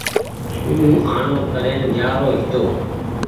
او آڻو ڪرين جآرو هيتو